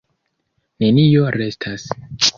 Nenio restas.